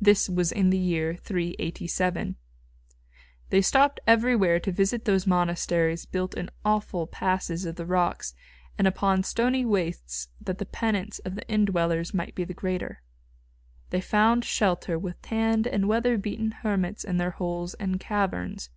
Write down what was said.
This was in the year 387. They stopped everywhere to visit those monasteries built in awful passes of the rocks and upon stony wastes that the penance of the indwellers might be the greater. They found shelter with tanned and weather beaten hermits in their holes and caverns.